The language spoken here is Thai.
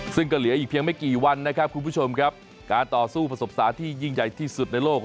ซึ่งก็เหลืออีกเพียงไม่กี่วันนะครับคุณผู้ชมครับการต่อสู้ประสบสารที่ยิ่งใหญ่ที่สุดในโลก